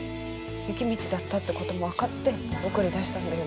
雪道だったってことも分かって送り出したんだよね？